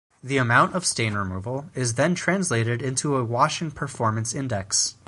The amount of stain removal is then translated into a washing performance index.